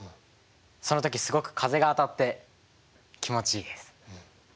その時すごく風が当たって気持ちいいです。